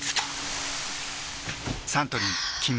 サントリー「金麦」